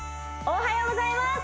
おはようございます！